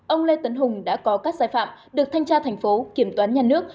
ông lê tấn hùng đã có các sai phạm được thanh tra thành phố kiểm toán nhà nước